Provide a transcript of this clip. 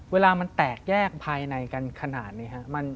เวลามันแตกแยกภายในกันขนาดนี้ครับ